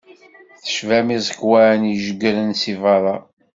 Tecbam iẓekkwan ijeggren si beṛṛa.